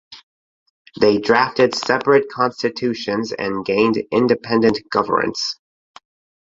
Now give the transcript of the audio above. They drafted separate constitutions and gained independent governance.